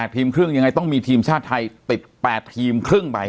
ทีมครึ่งยังไงต้องมีทีมชาติไทยติด๘ทีมครึ่งไป